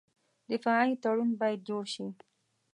دفاعي تړون باید جوړ شي.